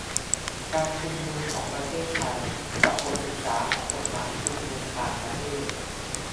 การชุมนุมของประเทศไทยกับบทศึกษาของกฎหมายชุมนุมต่างประเทศ